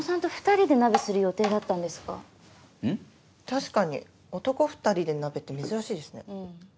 確かに男２人で鍋って珍しいですね。